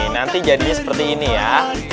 nanti jadinya seperti ini ya